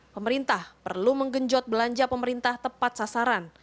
pemerintah perlu menggenjot belanja pemerintah tepat sasaran